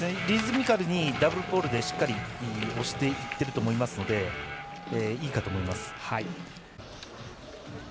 リズミカルにダブルポールでしっかり押していっていると思いますのでいいかと思います。